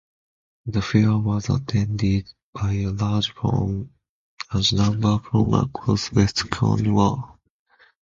The fair was attended by a large number from across West Cornwall.